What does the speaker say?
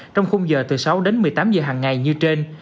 trong khung giờ từ sáu đến một mươi tám giờ hàng ngày như trên